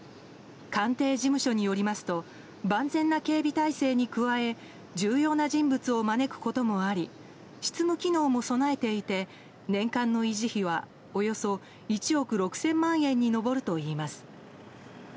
官邸事務所によりますと万全な警備態勢に加え重要な人物を招くこともあり執務機能も備えていて年間の維持費はおよそ１億６０００万円に上るといいます。